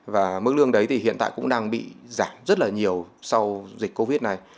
và mức lương đấy thì hiện tại cũng đang bị giảm rất là nhiều sau dịch covid này